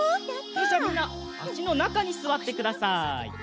それじゃみんなあしのなかにすわってください。